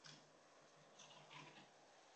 机械工艺设计是连接机械设计和制造的桥梁。